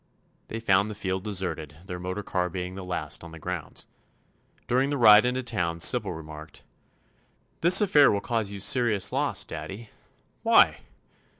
They found the field deserted, their motor car being the last on the grounds. During the ride into town Sybil remarked: "This affair will cause you serious loss, Daddy." "Why?"